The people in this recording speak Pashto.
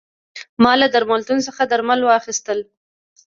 ما له درملتون څخه درمل واخیستل.